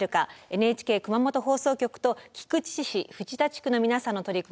ＮＨＫ熊本放送局と菊池市藤田地区の皆さんの取り組みをご紹介しています。